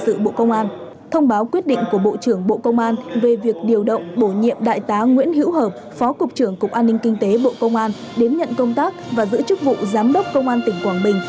tại buổi lễ đại diện cục tổ chức cán bộ bộ công an đã thông báo quyết định của bộ trưởng bộ công an về việc điều động đại tá nguyễn hiễu hợp phó cục trưởng cục an ninh kinh tế bộ công an đến nhận công tác và giữ chức vụ giám đốc công an tỉnh quảng bình